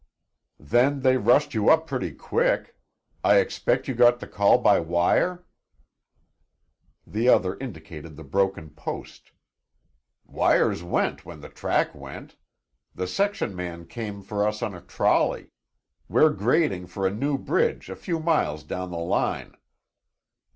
"Then, they rushed you up pretty quick. I expect you got the call by wire?" The other indicated the broken post. "Wires went when the track went. The section man came for us on a trolley; we're grading for a new bridge a few miles down the line."